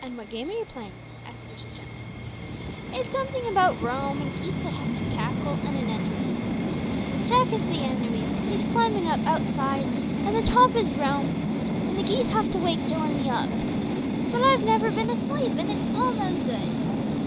"And what game are you playing?" asked the bishop gently. "It's something about Rome and geeth that have to cackle, and an enemy. Jack is the enemy; he is climbing up outthide, and the top is Rome, and the geeth have to wake Jill and me up. But I've never been athleep, and it's all no good!"